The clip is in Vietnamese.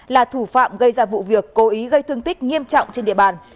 là thủ phạm gây ra vụ việc cố ý gây thương tích nghiêm trọng trên địa bàn